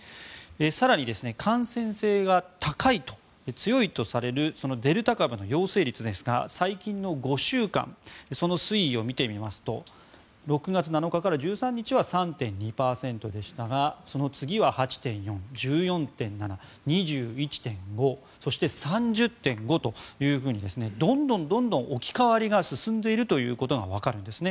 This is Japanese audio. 更に、感染性が高い、強いとされるデルタ株の陽性率ですが最近の５週間その推移を見てみますと６月７日から１３日は３．２％でしたがその次は８．４％１４．７％２１．５％そして３０．５％というふうにどんどん置き換わりが進んでいるということがわかるんですね。